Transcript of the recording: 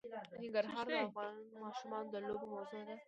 ننګرهار د افغان ماشومانو د لوبو موضوع ده.